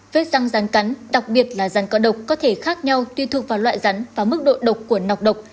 vết răng rắn cắn đặc biệt là rắn cỡ độc có thể khác nhau tuyên thuộc vào loại rắn và mức độ độc của nọc độc